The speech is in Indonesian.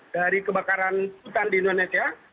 dari kebakaran hutan di indonesia